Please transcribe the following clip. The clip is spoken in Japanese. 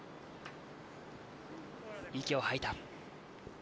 息を吐いた。